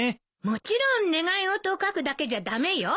もちろん願い事を書くだけじゃ駄目よ。